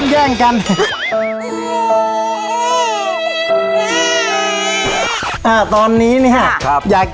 อย่างนี้กิโลละ๒๐๐๐๐บาท